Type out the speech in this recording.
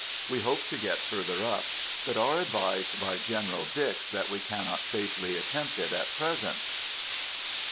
We hope to get further up, but are advised by General Dix that we cannot safely attempt it at present.